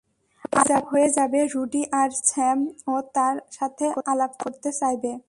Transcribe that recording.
আলাপ হয়ে যাবে রুডি আর স্যাম ও তার সাথে আলাপ করতে চাইবে।